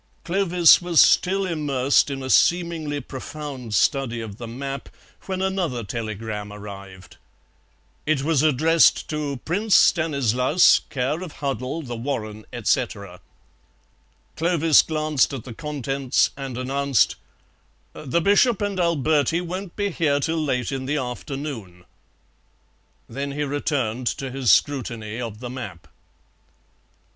Clovis was still immersed in a seemingly profound study of the map when another telegram arrived. It was addressed to "Prince Stanislaus, care of Huddle, The Warren, etc." Clovis glanced at the contents and announced: "The Bishop and Alberti won't be here till late in the afternoon." Then he returned to his scrutiny of the map.